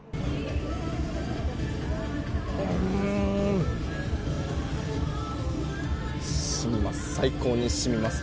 うーん、しみます